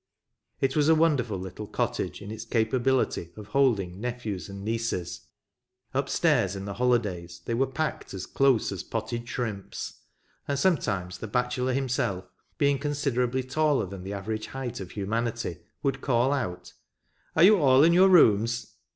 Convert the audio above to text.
It was a wonderful little cottage in its capability of holding nephews and nieces ; up stairs in the holidays they were packed as close as potted shrimps ; and sometimes the bachelor himself, being considerably taller than the average height of humanity, would call out, " Are you all in your rooms